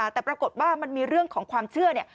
แต่ปรากฏว่ามันมีเรื่องของความเชื่อเนี่ย